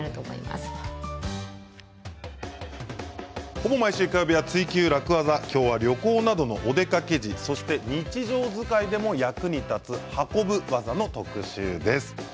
ほぼ毎週火曜日は「ツイＱ楽ワザ」今日は旅行などのお出かけ時や日常使いでも役に立つ運ぶ技の特集です。